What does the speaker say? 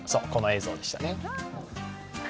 この映像でしたね。